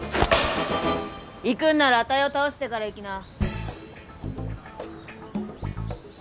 行くんならあたいを倒してから行きな。